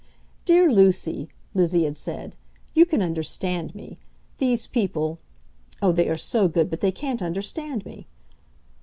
"Dear Lucy," Lizzie had said, "you can understand me. These people, oh, they are so good, but they can't understand me."